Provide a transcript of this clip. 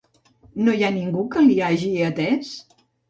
No hi ha ningú que li hagi atès?